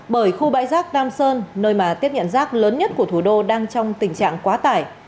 bởi khu bãi rác nam sơn nơi mà tiếp nhận rác lớn nhất của thủ đô đang trong tình trạng quá tải